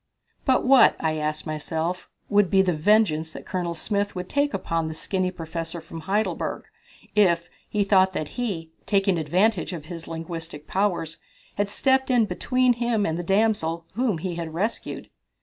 "But what," I asked myself, "would be the vengeance that Colonel Smith would take upon this skinny professor from Heidelberg if he thought that he, taking advantage of his linguistic powers, had stepped in between him and the damsel whom he had rescued?"